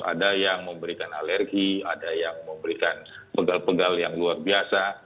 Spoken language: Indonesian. ada yang memberikan alergi ada yang memberikan pegal pegal yang luar biasa